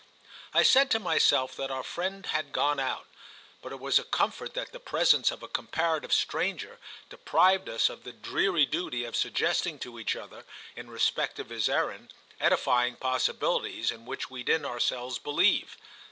I said to myself that our friend had gone out, but it was a comfort that the presence of a comparative stranger deprived us of the dreary duty of suggesting to each other, in respect of his errand, edifying possibilities in which we didn't ourselves believe.